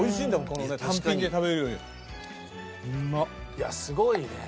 いやすごいね。